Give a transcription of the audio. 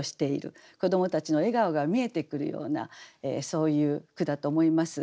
子どもたちの笑顔が見えてくるようなそういう句だと思います。